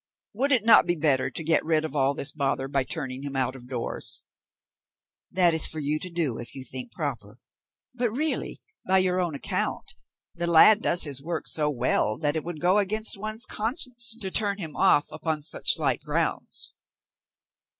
"Would it not be better to get rid of all this bother by turning him out of doors?" "That is for you to do if you think proper. But really, by your own account, the lad does his work so well that it would go against one's conscience to turn him off upon such slight grounds."